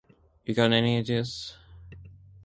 You got any ideas?